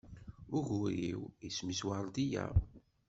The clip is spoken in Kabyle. Ugur-iw isem-is Werdiya.